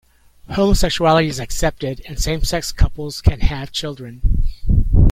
Homosexuality is accepted, and same-sex couples can have children.